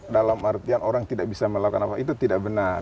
dalam artian orang tidak bisa melakukan apa itu tidak benar